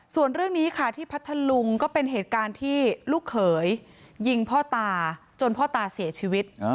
ส่วนเรื่องนี้ค่ะที่พัทธลุงก็เป็นเหตุการณ์ที่ลูกเขยยิงพ่อตาจนพ่อตาเสียชีวิต